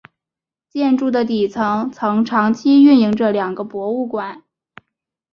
建筑的底层曾长期运营着两个博物馆。